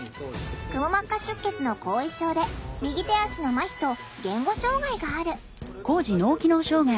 くも膜下出血の後遺症で右手足のまひと言語障害がある。